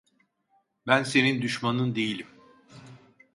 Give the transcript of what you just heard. Ben senin düşmanın değilim.